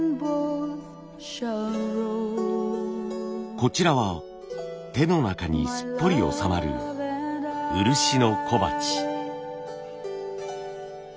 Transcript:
こちらは手の中にすっぽり収まる漆の小鉢。